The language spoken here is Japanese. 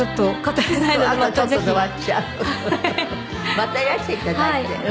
またいらしていただいて。